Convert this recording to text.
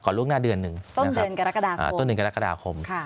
ก่อนล่วงหน้าเดือนหนึ่งต้นเดือนกรกฎาคม